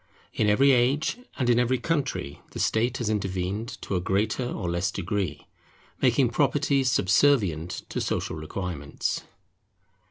In every age and in every country the state has intervened, to a greater or less degree, making property subservient to social requirements.